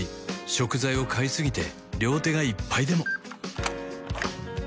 食材を買いすぎて両手がいっぱいでも